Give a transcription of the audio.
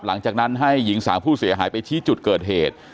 หลังจากนั้นให้หญิงสาวผู้เสียหายไปชี้จุดเกิดเหตุ